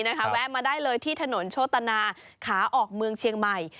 แวะมาได้เลยที่ถนนโชตนาขาออกเมืองเชียงใหม่